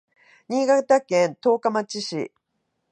新潟県十日町市